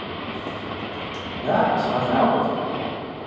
Даӏэ, сыгъэлъагъут!